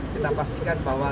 kita pastikan bahwa